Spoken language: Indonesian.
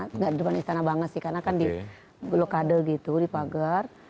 tidak di depan istana banget sih karena kan di blokade gitu di pagar